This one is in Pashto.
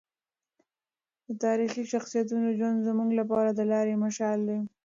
د تاریخي شخصیتونو ژوند زموږ لپاره د لارې مشال دی.